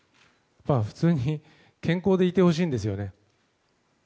普通に健康でいてほしいんです。